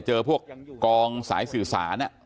เจอพวกกองสายสื่อสาร